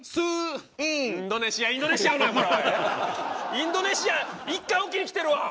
インドネシア１回おきにきてるわ！